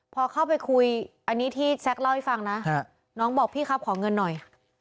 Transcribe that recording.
พอเข้าไปคุยอันนี้ที่แซคเล่าให้ฟังนะน้องบอกพี่ครับขอเงินหน่อย